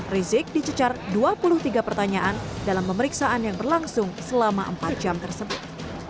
rizik dicecar dua puluh tiga pertanyaan dalam pemeriksaan yang berlangsung selama empat jam tersebut